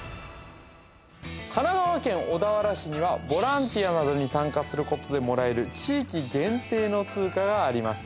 神奈川県小田原市にはボランティアなどに参加することでもらえる地域限定の通貨があります